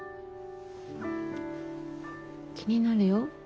気になるよ。